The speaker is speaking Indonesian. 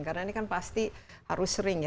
karena ini kan pasti harus sering ya